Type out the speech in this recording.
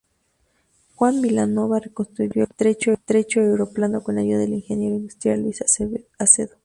Juan Vilanova reconstruyó el maltrecho aeroplano con la ayuda del ingeniero industrial Luis Acedo.